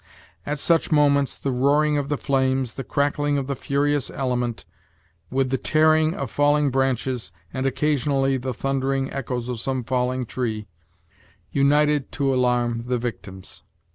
At such moments, the roaring of the flames, the crackling of the furious element, with the tearing of falling branches, and occasionally the thundering echoes of some falling tree, united to alarm the victims.